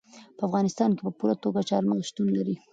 په افغانستان کې په پوره توګه چار مغز شتون لري.